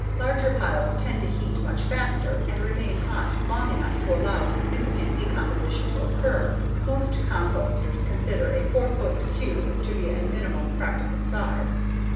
Larger piles tend to heat much faster and remain hot long enough to allow significant decomposition to occur. Most composters consider a four foot cube to be a minimum practical size.